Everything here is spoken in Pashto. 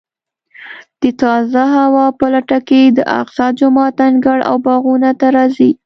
د تازه هوا په لټه کې د اقصی جومات انګړ او باغونو ته راځي.